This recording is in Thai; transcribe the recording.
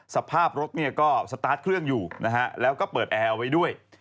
สภาพรถเนี่ยก็สตาร์ทเครื่องอยู่นะฮะแล้วก็เปิดแอร์เอาไว้ด้วย